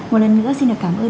một lần nữa xin cảm ơn